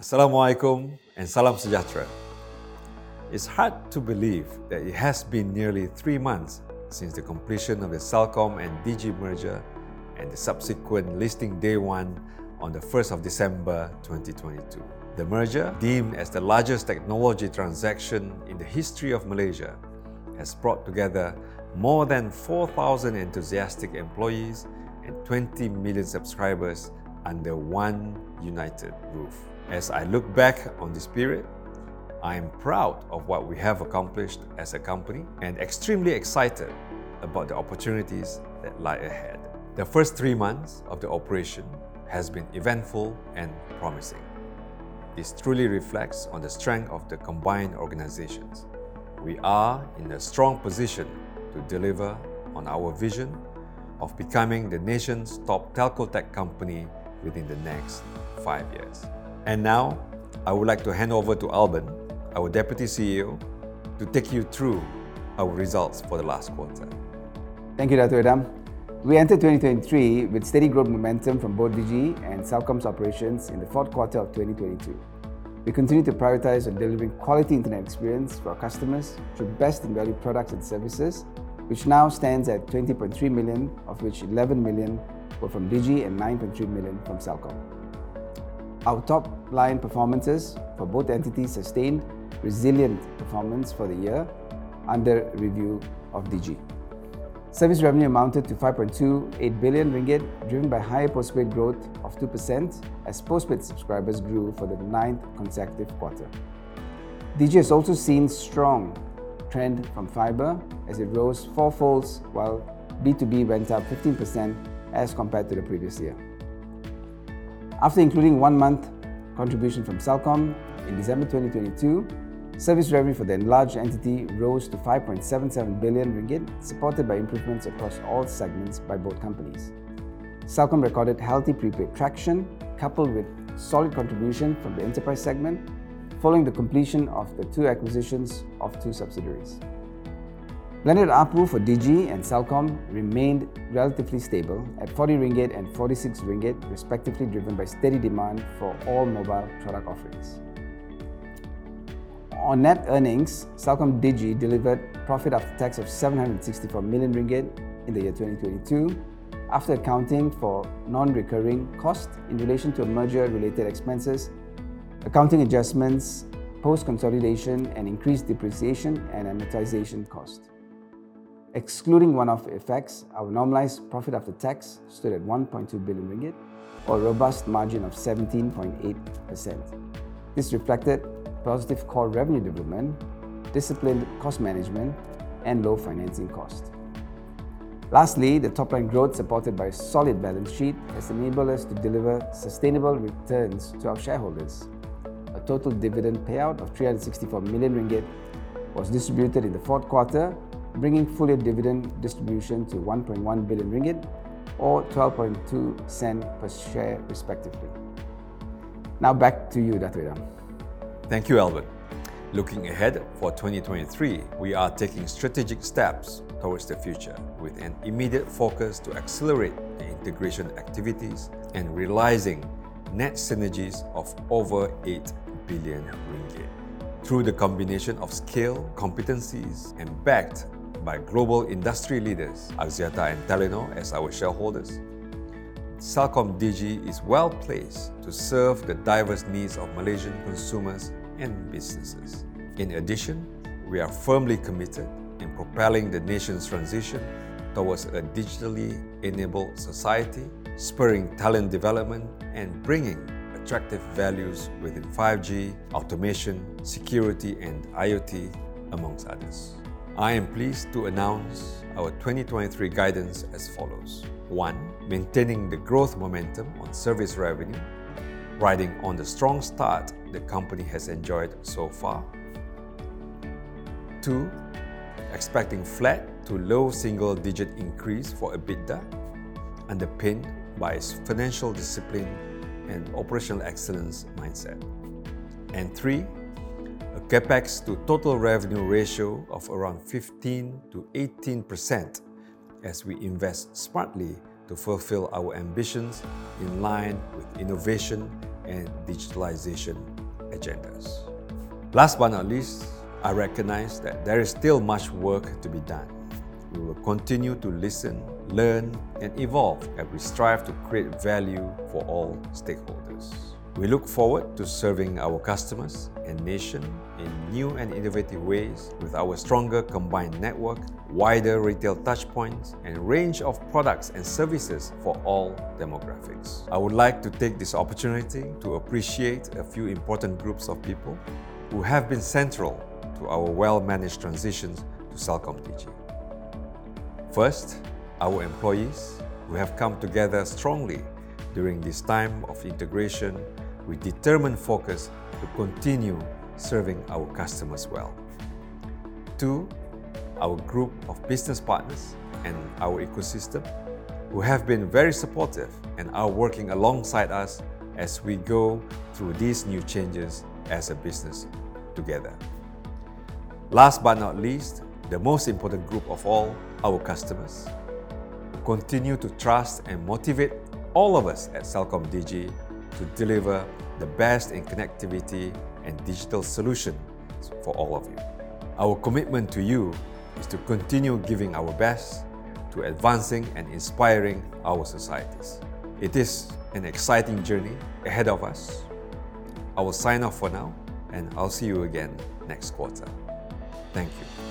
As-salamu alaykum and Salam Sejahtera. It's hard to believe that it has been nearly three months since the completion of the Celcom and Digi merger, and the subsequent listing day one on the 1st of December 2022. The merger, deemed as the largest technology transaction in the history of Malaysia, has brought together more than 4,000 enthusiastic employees and 20 million subscribers under one united roof. As I look back on this period, I am proud of what we have accomplished as a company and extremely excited about the opportunities that lie ahead. The first three months of the operation has been eventful and promising. This truly reflects on the strength of the combined organizations. We are in a strong position to deliver on our vision of becoming the nation's top telco tech company within the next five years. Now, I would like to hand over to Albern, our Deputy CEO, to take you through our results for the last quarter. Thank you, Datuk Idham. We entered 2023 with steady growth momentum from both Digi and Celcom's operations in the fourth quarter of 2022. We continue to prioritize on delivering quality Internet experience for our customers through best-in-value products and services, which now stands at 20.3 million, of which 11 million were from Digi and 9.3 million from Celcom. Our top-line performances for both entities sustained resilient performance for the year under review of Digi. Service revenue amounted to 5.28 billion ringgit, driven by higher postpaid growth of 2% as postpaid subscribers grew for the 9th consecutive quarter. Digi has also seen strong trend from fiber as it rose fourfolds, while B2B went up 15% as compared to the previous year. After including one-month contribution from Celcom in December 2022, service revenue for the enlarged entity rose to 5.77 billion ringgit, supported by improvements across all segments by both companies. Celcom recorded healthy prepaid traction, coupled with solid contribution from the enterprise segment following the completion of the two acquisitions of two subsidiaries. Monthly ARPU for Digi and Celcom remained relatively stable at 40 ringgit and 46 ringgit respectively, driven by steady demand for all mobile product offerings. On net earnings, CelcomDigi delivered profit after tax of 764 million ringgit in the year 2022 after accounting for non-recurring costs in relation to merger-related expenses, accounting adjustments, post-consolidation, and increased depreciation and amortization cost. Excluding one-off effects, our normalized profit after tax stood at 1.2 billion ringgit, or a robust margin of 17.8%. This reflected positive core revenue development, disciplined cost management, and low financing cost. The top-line growth supported by solid balance sheet has enabled us to deliver sustainable returns to our shareholders. A total dividend payout of 364 million ringgit was distributed in the fourth quarter, bringing full-year dividend distribution to 1.1 billion ringgit or 12.2 sen per share respectively. Back to you, Datuk Idham. Thank you, Albern. Looking ahead for 2023, we are taking strategic steps towards the future with an immediate focus to accelerate the integration activities and realizing net synergies of over 8 billion ringgit. Through the combination of scale, competencies, and backed by global industry leaders, Axiata and Telenor as our shareholders, CelcomDigi is well-placed to serve the diverse needs of Malaysian consumers and businesses. In addition, we are firmly committed in propelling the nation's transition towards a digitally enabled society, spurring talent development, and bringing attractive values within 5G, automation, security, and IoT, amongst others. I am pleased to announce our 2023 guidance as follows. One, maintaining the growth momentum on service revenue, riding on the strong start the company has enjoyed so far. Two, expecting flat to low single-digit increase for EBITDA, underpinned by its financial discipline and operational excellence mindset. Three, a CapEx-to-total revenue ratio of around 15%-18% as we invest smartly to fulfill our ambitions in line with innovation and digitalization agendas. Last but not least, I recognize that there is still much work to be done. We will continue to listen, learn, and evolve as we strive to create value for all stakeholders. We look forward to serving our customers and nation in new and innovative ways with our stronger combined network, wider retail touch points, and a range of products and services for all demographics. I would like to take this opportunity to appreciate a few important groups of people who have been central to our well-managed transitions to CelcomDigi. First, our employees who have come together strongly during this time of integration with determined focus to continue serving our customers well. Our group of business partners and our ecosystem who have been very supportive and are working alongside us as we go through these new changes as a business together. Last but not least, the most important group of all, our customers, who continue to trust and motivate all of us at CelcomDigi to deliver the best in connectivity and digital solutions for all of you. Our commitment to you is to continue giving our best to advancing and inspiring our societies. It is an exciting journey ahead of us. I will sign off for now, and I'll see you again next quarter. Thank you.